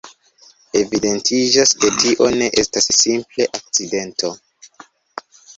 Evidentiĝas, ke tio ne estas simple akcidento.